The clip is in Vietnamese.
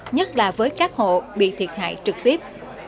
nhất là với các hộ bị thiệt hại trực tiếp